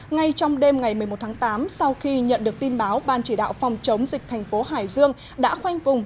ngay trong đêm ngày một mươi một tháng tám sau khi nhận được tin báo ban chỉ đạo phòng chống dịch thành phố hải dương đã khoanh vùng